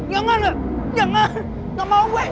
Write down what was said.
jangan gak mau gue